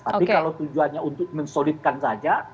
tapi kalau tujuannya untuk mensolidkan saja